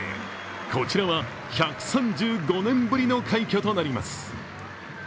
こちらは１３５年ぶりの快挙となります。